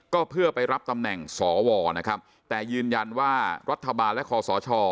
ก็เพื่อไปรับตำแหน่งสวนะครับแต่ยืนยันว่ารัฐบาลและคอสช